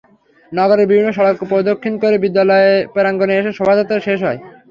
নগরের বিভিন্ন সড়ক প্রদক্ষিণ করে বিদ্যালয় প্রাঙ্গণে এসে শোভাযাত্রা শেষ হয়।